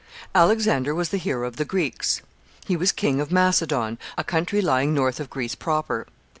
] Alexander was the hero of the Greeks. He was King of Macedon, a country lying north of Greece proper.